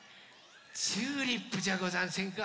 チューリップじゃござんせんか。